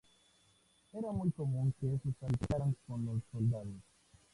Era muy común que esos hábitos cultos llegaran con los soldados.